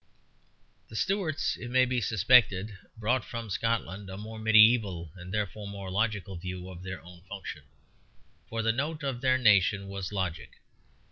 The Stuarts, it may be suspected, brought from Scotland a more mediæval and therefore more logical view of their own function; for the note of their nation was logic.